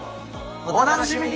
お楽しみに！